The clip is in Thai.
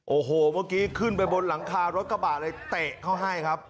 โอ้โหเมื่อกี้ขึ้นไปบนหลังคารถกระบะเลยเตะเขาให้ครับ